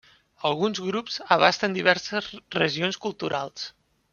Alguns grups abasten diverses regions culturals.